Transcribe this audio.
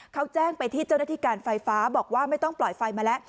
เขาแจ้งไปที่เจ้าหน้าที่การไฟฟ้าบอกว่าไม่ต้องปล่อยไฟมาแล้ว